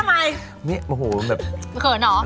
ปังหน้าทำไมไม่โอ้โหแบบเขินเหรอ